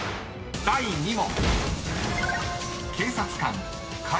［第２問］